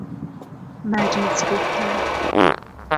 مجیز گفتن